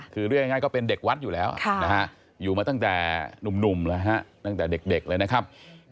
คือเรียกง่ายก็เป็นเด็กวัดอยู่แล้วอยู่มาตั้งแต่หนุ่มแล้วฮะตั้งแต่เด็กเลยนะครับ